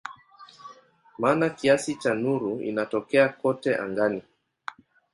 Maana kiasi cha nuru inatokea kote angani.